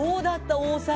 大阪。